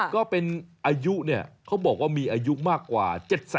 ก็เป็นอายุเนี่ยเขาบอกว่ามีอายุมากกว่า๗๐